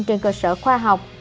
trên cơ sở khoa học